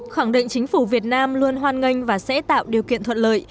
khẳng định chính phủ việt nam luôn hoan nghênh và sẽ tạo điều kiện thuận lợi